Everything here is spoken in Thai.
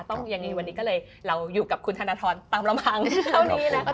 ต้องอย่างงี้วันนี้ก็เลยเราอยู่กับคุณธนาธรตามระมังเท่านี้นะคะ